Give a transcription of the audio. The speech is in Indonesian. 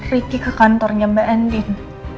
riki ke kantornya mbak endin